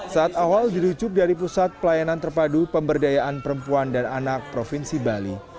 saat awal dirujuk dari pusat pelayanan terpadu pemberdayaan perempuan dan anak provinsi bali